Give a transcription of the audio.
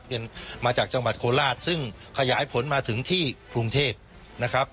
เงินมาจากจังหวัดโคราชซึ่งขยายผลมาถึงที่กรุงเทพนะครับ